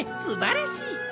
すばらしい。